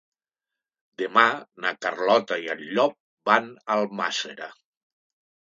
Demà na Carlota i en Llop van a Almàssera.